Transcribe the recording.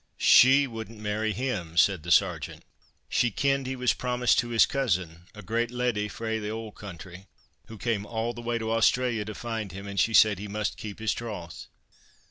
"She wouldn't marry him," said the Sergeant. "She kenned he was promised to his cousin, a great leddy frae the auld country, who came all the way to Australia to find him, and she said he must keep his troth."